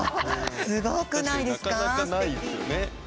すごくないですかすてき。